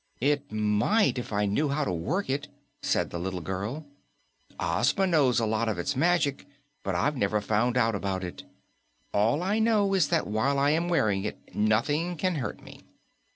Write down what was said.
"It might if I knew how to work it," said the little girl. "Ozma knows a lot of its magic, but I've never found out about it. All I know is that while I am wearing it, nothing can hurt me."